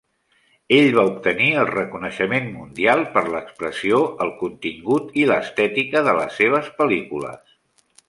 Ell va obtenir el reconeixement mundial per l'expressió, el contingut i l'estètica de les seves pel·lícules.